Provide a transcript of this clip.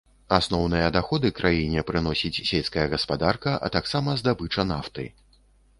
Асноўныя даходы краіне прыносіць сельская гаспадарка, а таксама здабыча нафты.